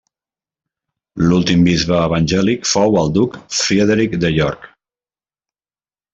L'últim bisbe evangèlic fou el duc Friedrich de York.